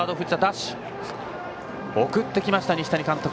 送ってきました、西谷監督。